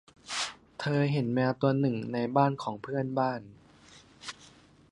เธอเห็นแมวตัวหนึ่งในบ้านของเพื่อนบ้าน